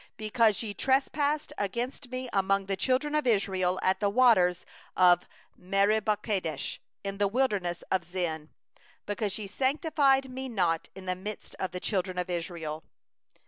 51Because ye trespassed against Me in the midst of the children of Israel at the waters of Meribath kadesh, in the wilderness of Zin; because ye sanctified Me not in the midst of the children of Israel.